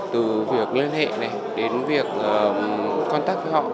từ việc liên hệ này đến việc contact với họ